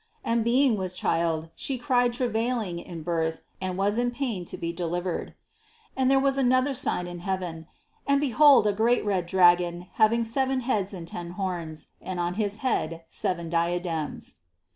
And being with child, she cried travailing in birth, and was in pain to be delivered. 3. And there was seen another sign in heaven; and behold a great red dragon having seven heads and ten horns; and on his head seven diadems.